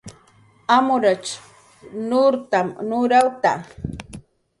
Amrutx nurtam nurawta